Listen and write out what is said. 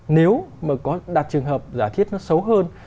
nếu mà có đặt trường hợp giả thiết nó xấu hơn